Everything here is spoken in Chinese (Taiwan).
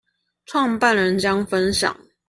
創辦人將分享